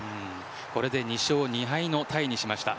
これで２勝２敗のタイにしました。